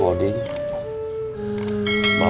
bapak bapak lebih suka memilih